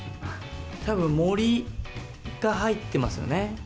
たぶん、森が入ってますよね。